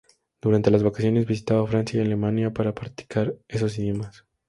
Durante las vacaciones visitaba Francia y Alemania para practicar esos idiomas.